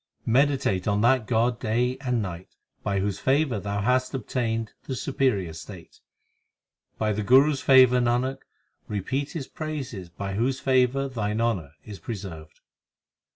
Meditate on that God day and night By whose favour thou hast obtained the superior state. 1 By the Guru s favour, Nanak, repeat His praises By whose favour thine honour is preserved.